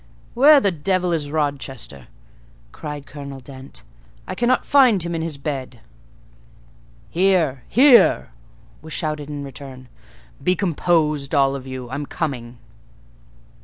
"Where the devil is Rochester?" cried Colonel Dent. "I cannot find him in his bed." "Here! here!" was shouted in return. "Be composed, all of you: I'm coming."